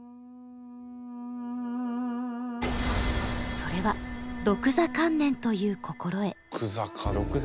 それは「独座観念」という心得。